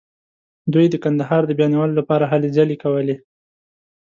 دوی د کندهار د بیا نیولو لپاره هلې ځلې کولې.